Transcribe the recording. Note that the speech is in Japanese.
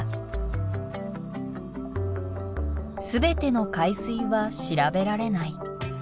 全ての海水は調べられない。